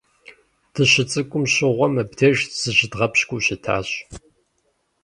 Дыщыцӏыкӏум щыгъуэ мыбдеж зыщыдгъэпщкӏуу щытащ.